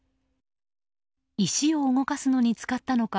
石を動かすのに使ったのか